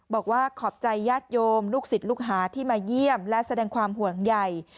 บอกว่าขอบใจญาติโยมลูกศิษย์ลูกหาที่มาเยี่ยมและแสดงความห่วงใหญ่